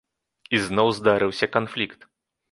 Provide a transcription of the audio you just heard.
І зноў здарыўся канфлікт.